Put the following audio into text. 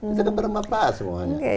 itu kan berapa semuanya